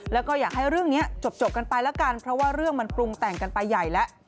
แล้วก็อยากให้เรื่องนี้จบกันไปแล้วกันเพราะว่าเรื่องมันปรุงแต่งกันไปใหญ่แล้ว